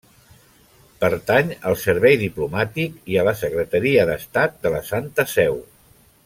Pertany al Servei Diplomàtic i a la Secretaria d'Estat de la Santa Seu.